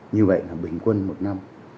như vậy bình quân một năm